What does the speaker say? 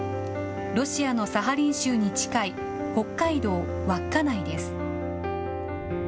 ロシアのサハリン州に近い、北海道稚内です。